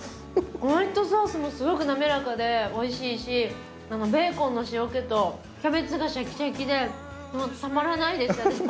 ホワイトソースもすごくなめらかで美味しいしベーコンの塩気とキャベツがシャキシャキで。